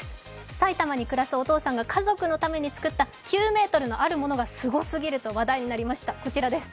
埼玉に暮らすお父さんが家族のために作った９メートルのあるものがすごすぎると話題になりました、こちらです。